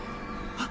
あっ。